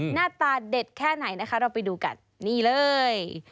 หน้าตาเด็ดแค่ไหนนะคะเราไปดูกันนี่เลย